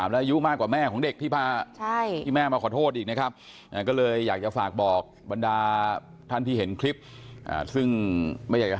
เวลาเกิดเหตุขึ้นมาก็ทำแบบนั้นเลย